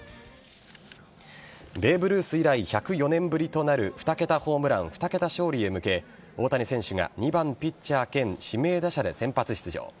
ベーブ・ルース以来１０４年ぶりとなる２桁ホームラン２桁勝利へ向け大谷選手が２番・ピッチャー兼指名打者で先発出場。